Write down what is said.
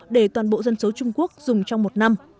để toàn bộ dân số trung quốc dùng trong một năm